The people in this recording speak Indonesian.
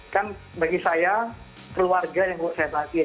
kan bagi saya keluarga yang saya maafkan